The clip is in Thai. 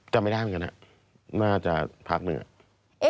จำไม่ได้เหมือนกันฮะน่าจะพักหนึ่งอะ